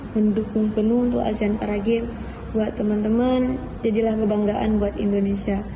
mendukung penuh untuk asean para games buat teman teman jadilah kebanggaan buat indonesia